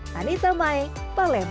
dan itu mai palema